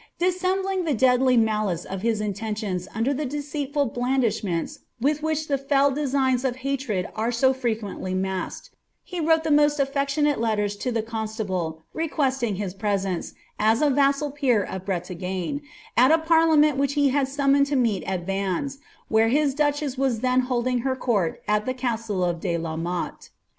Dissembling the deadly malic« of his intentions under the deceitful blandishments with which the fell designs of hatred are so frequently masked, he wrote the most aflectionate letters to the constable, request ing his presence, as a vassal peer of Bretagne, at a parliament whicli he h^ summoned to meet at Vannes, where his duchess was then holding her court at the castle Dc la Motte.